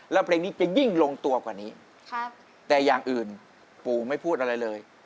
แล้วเพลงนี้จะยิ่งลงตัวกว่านี้แต่อย่างอื่นปู่ไม่พูดอะไรเลย